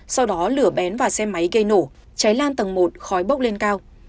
sau đó lửa bén vào xe máy gây nổ cháy lan tầng một khói bốc lên cao